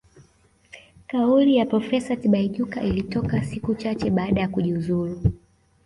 Kauli ya Profesa Tibaijuka ilitoka siku chache baada ya kujiuzulu